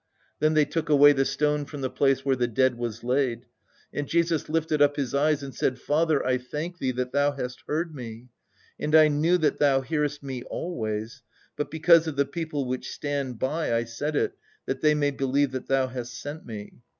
"Then they took away the stone from the place where the dead was laid. And Jesus lifted up His eyes and said, Father, I thank Thee that Thou hast heard Me. "And I knew that Thou hearest Me always; but because of the people which stand by I said it, that they may believe that Thou hast sent Me.